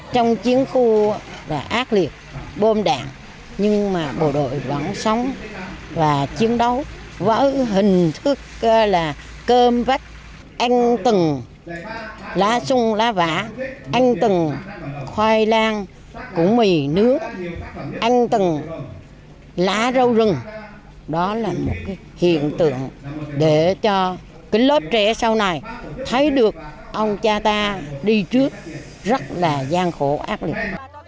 đó là một hiện tượng để cho lớp trẻ sau này thấy được ông cha ta đi trước rất là gian khổ ác lực